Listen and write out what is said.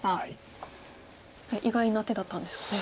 意外な手だったんですかね。